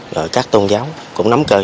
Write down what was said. rồi các tôn giáo cũng nắm cơ